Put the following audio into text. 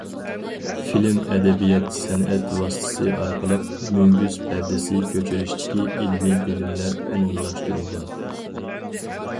فىلىم ئەدەبىيات- سەنئەت ۋاسىتىسى ئارقىلىق، مۈڭگۈز پەردىسى كۆچۈرۈشتىكى ئىلمىي بىلىملەر ئومۇملاشتۇرۇلغان.